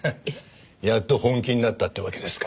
やっと本気になったってわけですか。